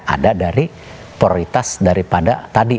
ada dari prioritas daripada tadi